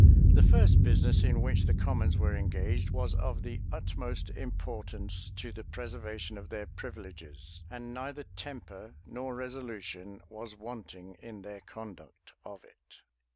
The first business in which the commons were engaged was of the utmost importance to the preservation of their privileges; and neither temper nor resolution was wanting in their conduct of it.